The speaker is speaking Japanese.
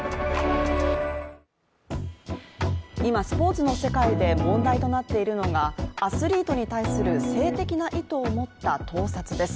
今、スポーツの世界で問題となっているのがアスリートに対する性的な意図を持った盗撮です。